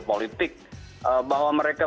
politik bahwa mereka